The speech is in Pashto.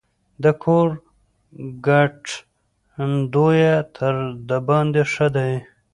د کور ګټندويه تر دباندي ښه دی.